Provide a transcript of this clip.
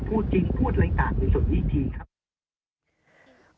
พูดจริงพูดอะไรต่างที่สุดอีกทีครับ